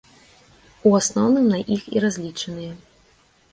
У асноўным на іх і разлічаныя.